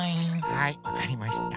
はいわかりました。